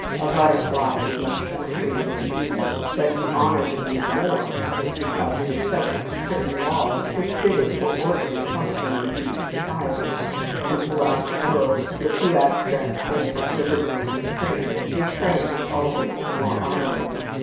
A butterfly is much more free than a bee; but you honour the bee more, just because it is subject to certain laws which fit it for orderly function in bee society And throughout the world, of the two abstract things, liberty and restraint, restraint is always the more honourable.